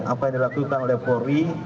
apa yang dilakukan oleh polri